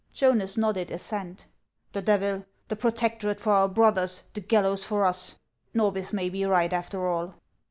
Jonas nodded assent. " The devil ! the protectorate for our brothers, the gal lows lor us ! Norbith may be right, after all."